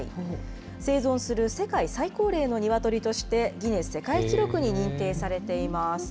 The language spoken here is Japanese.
生存する世界最高齢のニワトリとして、ギネス世界記録に認定されています。